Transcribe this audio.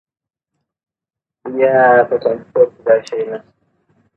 هغه نظام چې ځان اصلاح نه کړي ورو ورو کمزوری کېږي